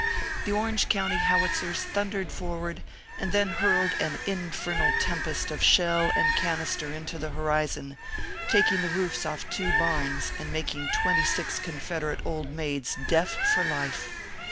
The Orange County Howitzers thundered forward, and then hurled an infernal tempest of shell and can ORPHEUS C. KERR PAPERS. 345 ister into the horizon, taking the roofs off of two barns, and making twenty six Confederate old maids deaf for life.